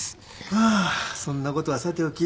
まあそんなことはさておき。